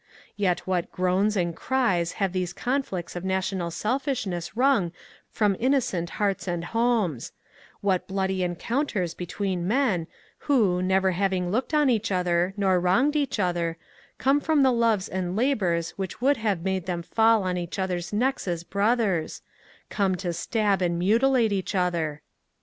... Yet what groans and cries have these conflicts of national selfishness wrung from innocent hearts and homes, — what bloody encounters between men, who, never having looked on each other nor wronged each other, come from the loves and labours which would have made them fall on each others' necks as brothers, — come to stab and mutilate each other